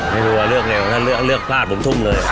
ไม่รู้ว่าเลือกเร็วถ้าเลือกพลาดผมทุ่มเลย